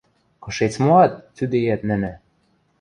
— Кышец моат? — цӱдейӓт нӹнӹ.